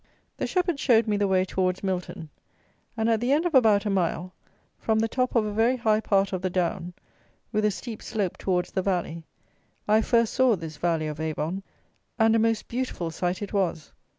The shepherd showed me the way towards Milton; and at the end of about a mile, from the top of a very high part of the down, with a steep slope towards the valley, I first saw this Valley of Avon; and a most beautiful sight it was!